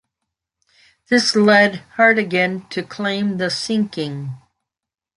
This led Hardegen to claim the sinking.